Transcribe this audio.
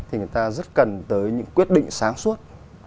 thì người ta rất cần tới những quyết định sáng suốt